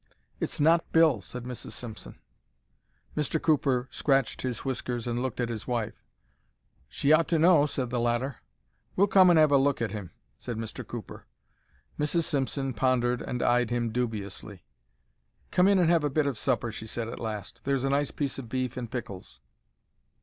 "It's not Bill," said Mrs. Simpson. Mr. Cooper scratched his whiskers and looked at his wife. "She ought to know," said the latter. "We'll come and have a look at him," said Mr. Cooper. Mrs. Simpson pondered, and eyed him dubiously. "Come in and have a bit of supper," she said at last. "There's a nice piece of beef and pickles."